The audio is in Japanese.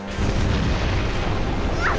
あっ！